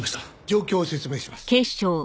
状況を説明します。